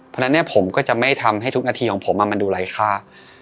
เพราะฉะนั้นผมก็จะไม่ทำให้ทุกนาทีของผมมันดูไร้ค่า